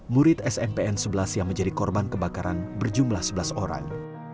murid smpn sebelas yang menjadi korban kebakaran berjumlah sebelas orang